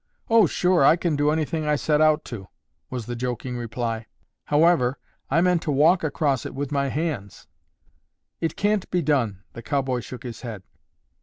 "Oh sure, I can do anything I set out to!" was the joking reply. "However, I meant to walk across it with my hands." "It can't be done." The cowboy shook his head.